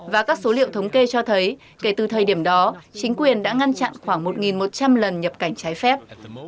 và các số liệu thống kê cho thấy kể từ thời điểm đó chính quyền đã ngăn chặn khoảng một một trăm linh lần nhập cảnh trái phép